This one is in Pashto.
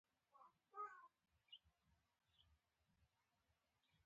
نو هغه وخت به ډېر ژر را ورسېږي.